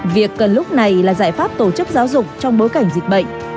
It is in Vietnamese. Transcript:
việc cần lúc này là giải pháp tổ chức giáo dục trong bối cảnh dịch bệnh